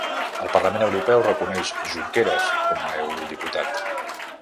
El Parlament Europeu reconeix Junqueras com a eurodiputat